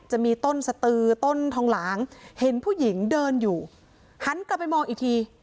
จะมีต้นสตือต้นทองหลางเห็นผู้หญิงเดินอยู่หันกลับไปมองอีกที